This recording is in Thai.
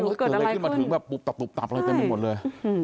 ยังงงเกิดอะไรขึ้นมาถึงแบบปุ๊บตับปุ๊บตับอะไรแบบนี้หมดเลย